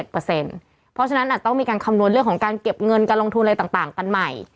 เพราะฉะนั้นอาจต้องมีการคำนวณเรื่องของการเก็บเงินการลงทุนอะไรต่างกันใหม่